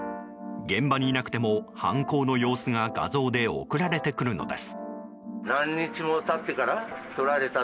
現場にいなくても、犯行の様子が画像で送られてくるのです。